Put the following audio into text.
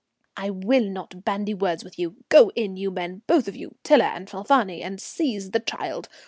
"I will not bandy words with you. Go in, you men, both of you, Tiler and Falfani, and seize the child.